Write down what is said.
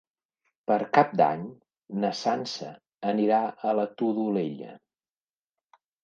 Per Cap d'Any na Sança anirà a la Todolella.